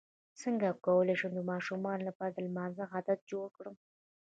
څنګه کولی شم د ماشومانو لپاره د لمانځه عادت جوړ کړم